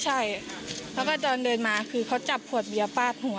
ใช่เขาก็เดินมาคือเขาจับขวดเบียร์ฟาดหัว